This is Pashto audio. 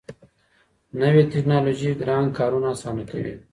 نوې ټیکنالوژي ګران کارونه اسانه کوي.